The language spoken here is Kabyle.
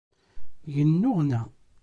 Yennuɣna.